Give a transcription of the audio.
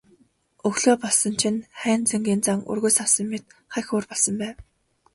Өглөө болсон чинь Хайнзангийн зан өргөс авсан мэт хахь өөр болсон байв.